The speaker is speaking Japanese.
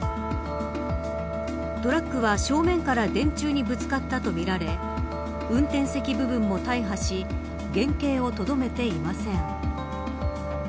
トラックは、正面から電柱にぶつかったとみられ運転席部分も大破し原型をとどめていません。